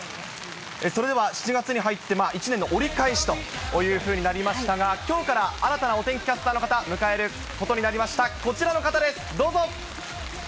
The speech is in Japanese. それでは７月に入って、一年の折り返しというふうになりましたが、きょうから新たなお天気キャスターの方、迎えることになりました。